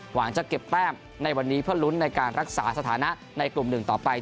หวังจะเก็บแต้มในวันนี้เพื่อลุ้นในการรักษาสถานะในกลุ่มหนึ่งต่อไป